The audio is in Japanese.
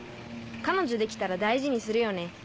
彼女できたら大事にするよね。